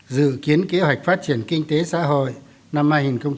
dự kiến kế hoạch phát triển kinh tế xã hội năm hai nghìn một mươi bảy